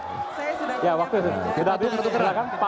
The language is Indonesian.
saya sudah berterus kerah